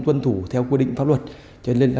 tuân thủ theo quy định pháp luật cho nên